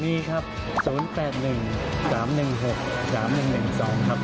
มีครับ๐๘๑๓๑๖๓๑๑๒ครับ